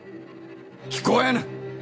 聞こえぬ！